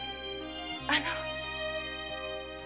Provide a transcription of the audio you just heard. あの。